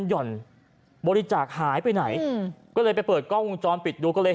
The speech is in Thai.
ห่อนบริจาคหายไปไหนอืมก็เลยไปเปิดกล้องวงจรปิดดูก็เลย